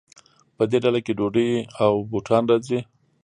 په دې ډله کې ډوډۍ او بوټان راځي.